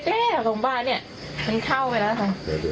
พร้อมทุกสิทธิ์